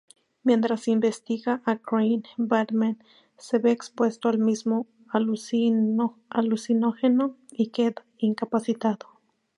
Mientras investiga a Crane, Batman se ve expuesto al mismo alucinógeno y queda incapacitado.